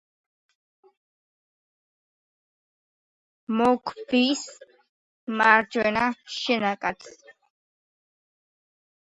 მოქვის მარჯვენა შენაკადს.